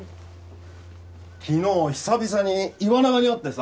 昨日久々に岩永に会ってさ。